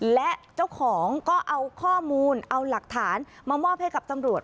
และเจ้าของก็เอาข้อมูลเอาหลักฐานมามอบให้กับตำรวจ